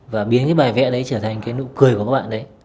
và biến cái bài vẽ đấy trở thành cái nụ cười của các bạn đấy